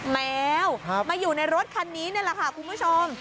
แมวมาอยู่ในรถคันนี้นี่แหละค่ะคุณผู้ชม